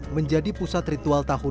menjadi pusat ritual tahunan